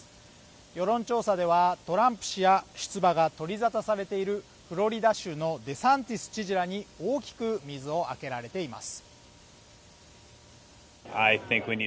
世論調査ではトランプ氏や、出馬が取り沙汰されているフロリダ州のデサンティス氏らに大きく水をあけられています。